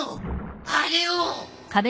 あれを！